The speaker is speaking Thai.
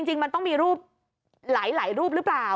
จริงมันต้องมีรูปหลายรูปหรือเปล่า